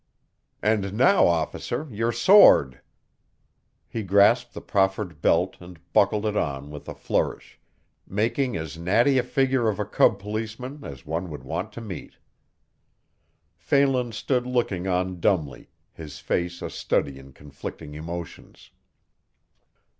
"And now officer, your sword." He grasped the proffered belt and buckled it on with a flourish, making as natty a figure of a cub policeman as one would want to meet. Phelan stood looking on dumbly, his face a study in conflicting emotions.